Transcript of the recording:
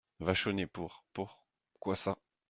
Vachonnet Pour … pour … quoi ça ?